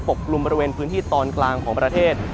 กลุ่มบริเวณพื้นที่ตอนกลางของประเทศ